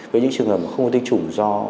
với những trường hợp không có tinh trùng do